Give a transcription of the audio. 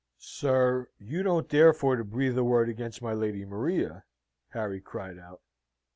"Sir, you don't dare for to breathe a word against my Lady Maria?" Harry cried out.